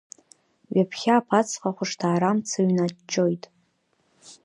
Ҩаԥхьа аԥацха ахәышҭаарамца ҩнаҷҷоит.